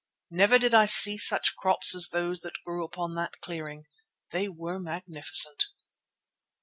Never did I see such crops as those that grew upon that clearing; they were magnificent.